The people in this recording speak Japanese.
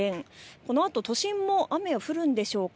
このあと都心も雨、降るんでしょうか。